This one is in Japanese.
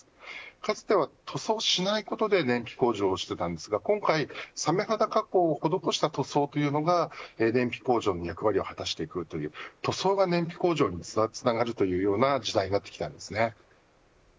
かつては塗装をしないことで燃費向上をしていたんですが今回サメ肌加工を施した塗装というのが燃費向上の役割を果たしていくという塗装が燃費向上につながるような時代になってきたんですね。